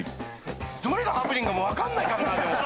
どれがハプニングか分かんないからな。